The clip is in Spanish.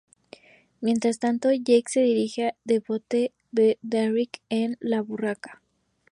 Mientras tanto Jake se dirige al bote de Derrick: La Barracuda.